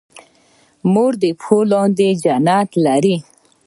مور د پښو لاندې جنت لري